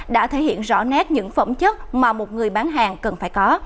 đã thể hiện rõ nét những phẩm chất mà một người bán hàng cần phải có